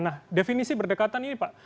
nah definisi berdekatan ini pak